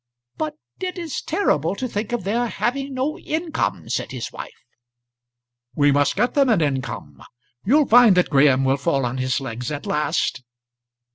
"But it is terrible to think of their having no income," said his wife. "We must get them an income. You'll find that Graham will fall on his legs at last."